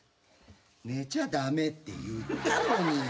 寝ちゃ駄目って言ったのに。